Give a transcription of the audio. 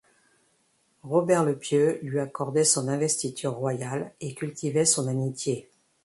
Robert le Pieux lui accordait son investiture royale et cultivait son amitié.